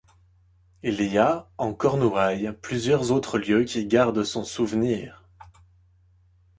Il y a, en Cornouailles, plusieurs autres lieux qui gardent son souvenir.